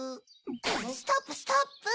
ストップストップ！